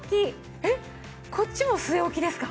えっこっちも据え置きですか。